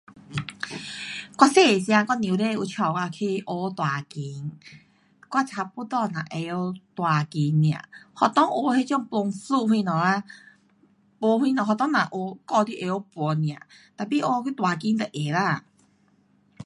我小个时间我母亲有带我去学弹琴，我差不多只会晓弹琴【而已】学堂学那种吹箫什么啊，不会用，学堂只学，教你会晓吹 nia, tapi 学去弹琴就会啦。